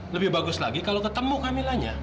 lebih bagus lagi kalau ketemu kamilanya